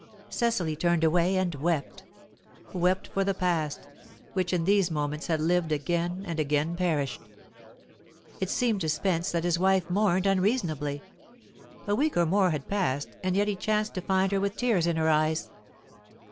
Cecily turned away and wept wept for the past, which in these moments had lived again and again perished. It seemed to Spence that his wife mourned unreasonably. A week or more had passed, and yet he chanced to find her with tears in her eyes.